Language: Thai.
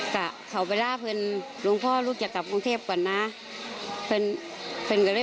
ข้อกระดาษลังค์ชทริพิทธิ์เหมือนแหละ